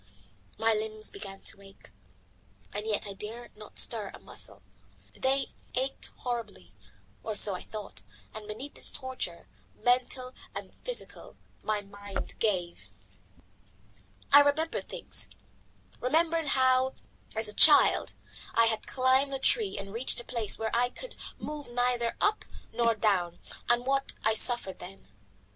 My limbs began to ache, and yet I dared not stir a muscle. They ached horribly, or so I thought, and beneath this torture, mental and physical, my mind gave. I remembered things: remembered how, as a child, I had climbed a tree and reached a place whence I could move neither up nor down, and what I suffered then.